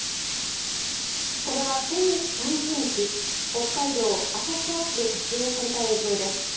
これは先月３０日北海道旭川市で撮影された映像です。